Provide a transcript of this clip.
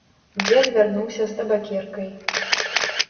Дзед вярнуўся з табакеркай.